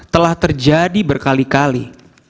telah terjadi berkali kali